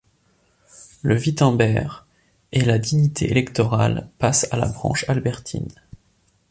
Le Wittemberg et la dignité électorale passent à la branche albertine.